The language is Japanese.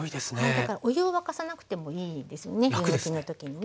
だからお湯を沸かさなくてもいいですよね湯むきの時にね。